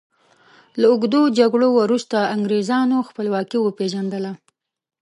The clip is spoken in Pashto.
له اوږدو جګړو وروسته انګریزانو خپلواکي وپيژندله.